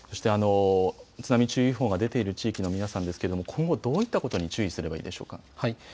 津波注意報が出ている地域の皆さんですけれども今後どういったことに注意すればいいでしょうか。